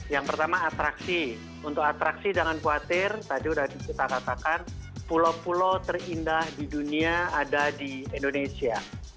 yang pertama atraksi untuk atraksi jangan khawatir tadi sudah kita katakan pulau pulau terindah di dunia ada di indonesia